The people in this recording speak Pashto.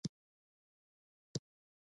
د انارو رب په خوړو کې کارول کیږي.